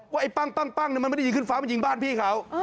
ไอ้ปั้งมันไม่ได้ยิงขึ้นฟ้ามันยิงบ้านพี่เขา